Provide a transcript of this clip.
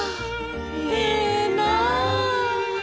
ええなぁ。